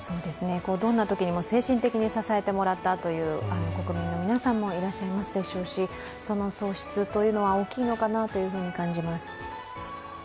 どんなときにも精神的に支えてもらったという国民の皆さんもいらっしゃいますでしょうし、その喪失というのは大きいのかなと感じます。